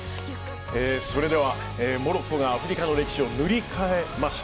それでは、モロッコがアフリカの歴史を塗り替えました。